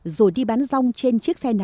rồi đi bán rong trên chiếc xe